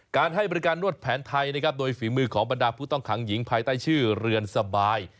ให้บริการนวดแผนไทยนะครับโดยฝีมือของบรรดาผู้ต้องขังหญิงภายใต้ชื่อเรือนสบาย